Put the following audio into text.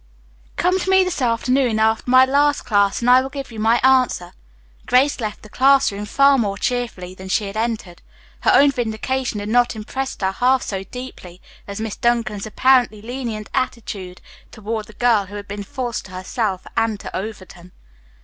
Come to me this afternoon after my last class and I will give you my answer." Grace left the class room far more cheerfully than she had entered. Her own vindication had not impressed her half so deeply as Miss Duncan's apparently lenient attitude toward the girl who had been false to herself and to Overton.